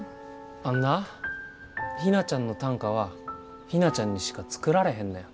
あんな陽菜ちゃんの短歌は陽菜ちゃんにしか作られへんねん。